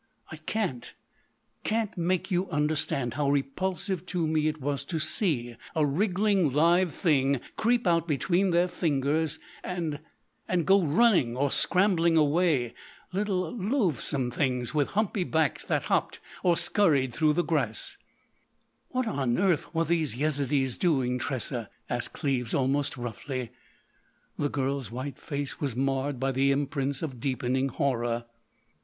"I can't—can't make you understand how repulsive to me it was to see a wriggling live thing creep out between their fingers and—and go running or scrambling away—little loathsome things with humpy backs that hopped or scurried through the grass——" "What on earth were these Yezidees doing, Tressa?" asked Cleves almost roughly. The girl's white face was marred by the imprints of deepening horror.